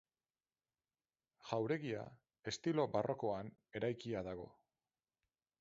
Jauregia estilo barrokoan eraikia dago.